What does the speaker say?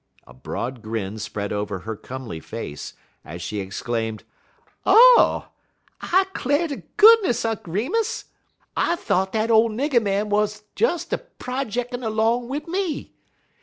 A broad grin spread over her comely face as she exclaimed: "Oh! I 'clar' ter goodness, Unk Remus, I thought dat ole nigger man wuz des a projickin' 'long wid me.